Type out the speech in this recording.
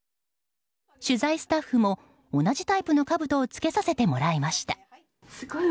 取材スタッフも同じタイプのかぶとを着けさせてもらいました。